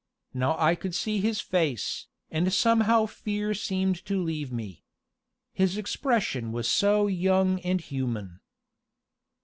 Now I could see his face, and somehow fear seemed to leave me. His expression was so young and human.